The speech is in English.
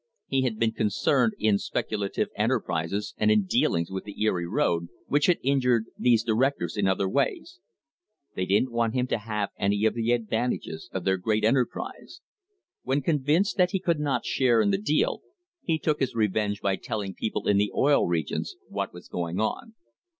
He had been concerned in speculative enterprises and in dealings with the Erie road which had injured these directors in other ways. They didn't want him to have any of the advantages of their great enterprise. When convinced that he could not share in the deal, he took his revenge by telling people in the Oil Re gions what was going on.